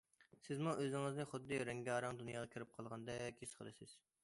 سىزمۇ ئۆزىڭىزنى خۇددى رەڭگارەڭ دۇنياغا كىرىپ قالغاندەك ھېس قىلىسىز.